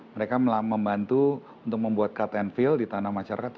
mereka membantu untuk membuat cut and fill di tanah masyarakat